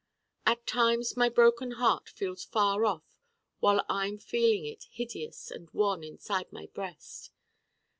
At times my Broken Heart feels far off while I'm feeling it hideous and wan inside my breast.